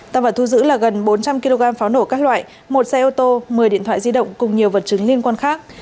tăng vật thu giữ là gần bốn trăm linh kg pháo nổ các loại một xe ô tô một mươi điện thoại di động cùng nhiều vật chứng liên quan khác